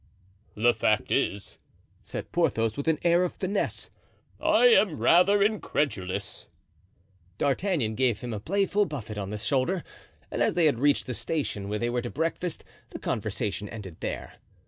"The fact is," said Porthos, with an air of finesse, "I am rather incredulous." D'Artagnan gave him playful buffet on the shoulder, and as they had reached the station where they were to breakfast, the conversation ended there.